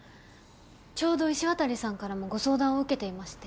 ちょうど石渡さんからもご相談を受けていまして。